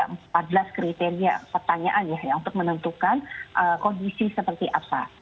dan ada kriteria pertanyaan ya untuk menentukan kondisi seperti apa